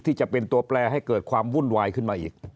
ที่จะเป็นตัวแปลให้เกิดความวุ่นวายขึ้นมาอีก